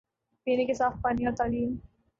پینے کے صاف پانی اور تعلیم